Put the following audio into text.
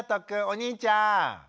お兄ちゃん。